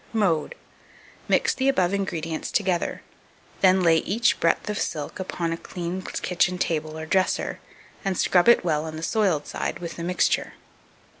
Mode. Mix the above ingredients together; then lay each breadth of silk upon a clean kitchen table or dresser, and scrub it well on the soiled side with the mixture.